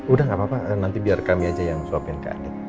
udah gak apa apa nanti biar kami aja yang suapin ke adik